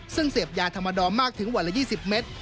ซึ่งเสพยาธรรมดอมากถึงวันละยี่สิบเม็ด